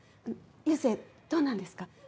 佑星どうなんですか？